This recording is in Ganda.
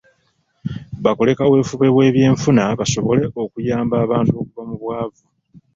Bakole kaweefube w'ebyenfuna basobole okuyamba abantu okuva mu bwavu.